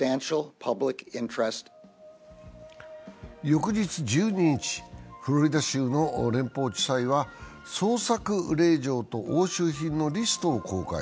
翌日１２日、フロリダ州の連邦地裁は捜索令状と押収品のリストを公開。